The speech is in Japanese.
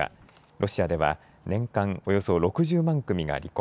ロシアでは年間およそ６０万組が離婚。